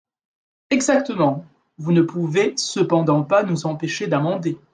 Exactement ! Vous ne pouvez cependant pas nous empêcher d’amender.